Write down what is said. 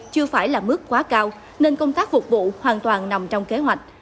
chưa phải là mức quá cao nên công tác phục vụ hoàn toàn nằm trong kế hoạch